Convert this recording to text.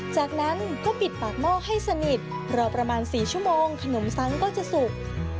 จากนั้นก็ปิดปากหม้อให้สนิทรอประมาณ๔ชั่วโมงขนมซังก็จะสุก